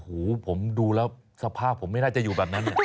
อูโหผมดูแล้วสภาพผมไม่น่าจะอยู่แบบนั้น